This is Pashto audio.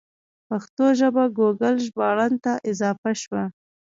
پښتو ژبه ګوګل ژباړن ته اضافه شوه.